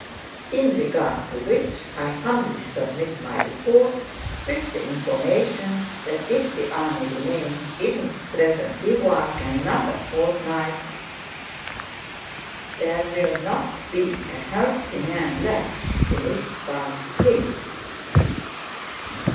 In regard to which I humbly submit my report, with the information that if the army remains in its present bivouac another fortnight there will not be a healthy man left in it by spring.